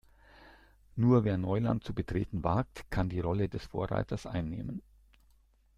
Nur wer Neuland zu betreten wagt, kann die Rolle des Vorreiters einnehmen.